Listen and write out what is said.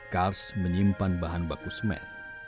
kars menyimpan bahan baku semen